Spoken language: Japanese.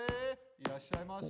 いらっしゃいませ！